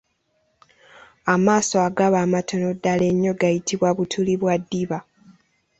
Amaaso agaba amatono ddala ennyo gayitibwa butuli bwa ddiba.